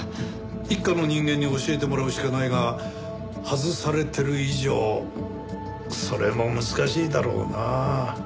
一課の人間に教えてもらうしかないが外されてる以上それも難しいだろうな。